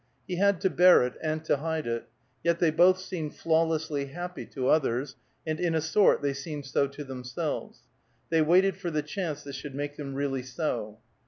He had to bear it and to hide it. Yet they both seemed flawlessly happy to others, and in a sort they seemed so to themselves. They waited for the chance that should make them really so.